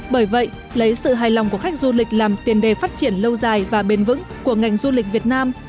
bởi vậy lấy sự hài lòng của khách du lịch làm tiền đề phát triển lâu dài và bền vững của ngành du lịch việt nam